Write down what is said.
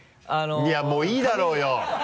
いやもういいだろうよ。